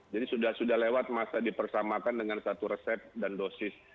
jadi sudah sudah lewat masa dipersamakan dengan satu resep dan dosis